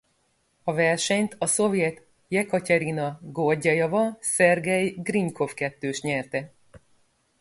A versenyt a szovjet Jekatyerina Gorgyejeva–Szergej Grinykov-kettős nyerte.